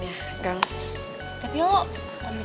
kayaknya dia udah kemana mana